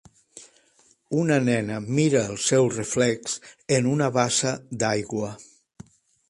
Una nena mira el seu reflex en una bassa d'aigua.